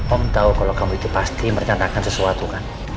om tau kalau kamu itu pasti merenangkan sesuatu kan